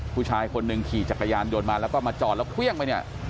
ผู้ชายคนหนึ่งขี่จักรยานยนต์มาแล้วก็มาจอดแล้วเครื่องไปเนี่ย